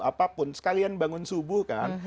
apapun sekalian bangun subuh kan